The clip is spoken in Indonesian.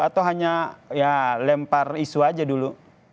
atau hanya ya lempar isu aja dulu